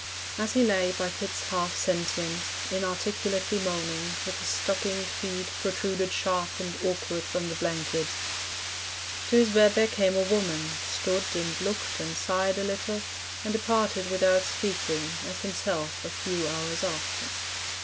As he lay, by fits half sentient, Inarticulately moaning, With his stockinged feet protruded Sharp and awkward from the blankets, To his bed there came a woman, Stood and looked and sighed a little, And departed without speaking, As himself a few hours after.